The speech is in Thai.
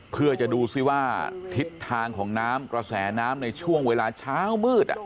เพื่อจะดูซิว่าทิศทางของน้ำกระแสน้ำในช่วงเวลาเช้ามืด